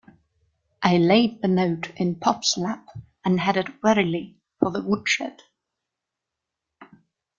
I laid the note in Pop's lap and headed wearily for the woodshed.